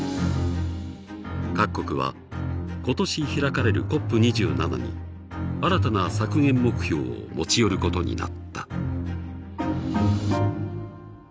各国は今年開かれるＣＯＰ２７に新たな削減目標を持ち寄ることになった。